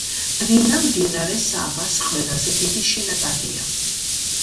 დრინა მდინარე სავას ყველაზე დიდი შენაკადია.